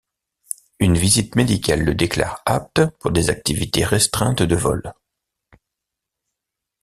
Une visite médicale le déclare apte pour des activités restreintes de vol.